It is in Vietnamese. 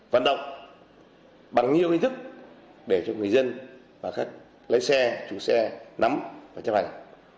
vận động bằng nhiều hình thức để cho người dân và các lái xe chủ xe nắm và chấp hành